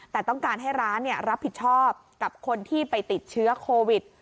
แต่ต้องการให้ร้านรับผิดชอบกับคนที่ไปติดเชื้อโควิด